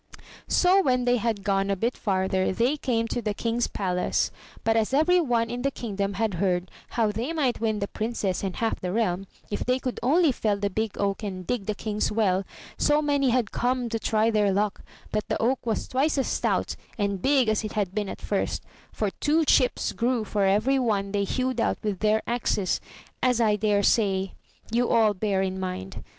So when they had gone a bit farther, they came to the King's palace; but as every one in the kingdom had heard how they might win the Princess and half the realm, if they could only fell the big oak and dig the King's well, so many had come to try their luck that the oak was twice as stout and big as it had been at first, for two chips grew for every one they hewed out with their axes, as I daresay you all bear in mind.